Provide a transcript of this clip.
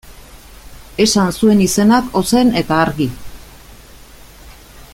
Esan zuen izenak ozen eta argi.